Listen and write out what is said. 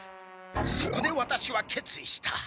そこでワタシは決意した。